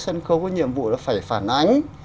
sân khấu có nhiệm vụ là phải phản ánh